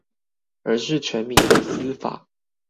而是全民的司法